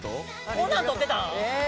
「こんなん撮ってたん！？」